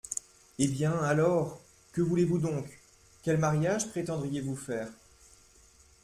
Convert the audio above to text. Eh bien, alors, que voulez-vous donc ? quel mariage prétendriez-vous faire ?